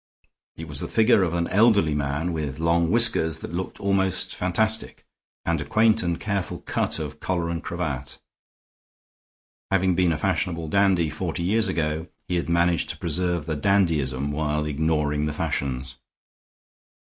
It was the figure of an elderly man with long whiskers that looked almost fantastic, and a quaint and careful cut of collar and cravat. Having been a fashionable dandy forty years ago, he had managed to preserve the dandyism while ignoring the fashions.